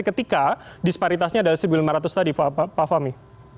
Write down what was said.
ketika disparitasnya adalah satu lima ratus tadi pak fahmi